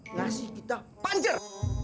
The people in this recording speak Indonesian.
ngasih kita panjer